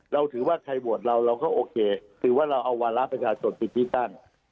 เราถือว่าใครบวกเราเราก็โอเคถือว่าเราเอาวารับมาจากผิดที่ตั้ง